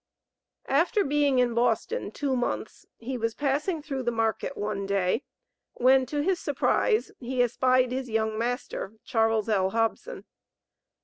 After being in Boston two months, he was passing through the market one day, when, to his surprise, he espied his young master, Charles L. Hobson.